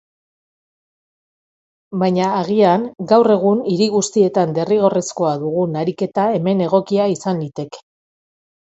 Baina agian gaur egun hiri guztietan derrigorrezkoa dugun ariketa hemen egokia izan liteke.